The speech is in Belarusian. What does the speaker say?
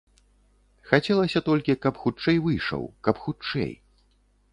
Хацелася толькі, каб хутчэй выйшаў, каб хутчэй.